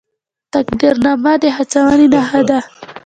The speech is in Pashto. تقدیرنامه د هڅونې نښه ده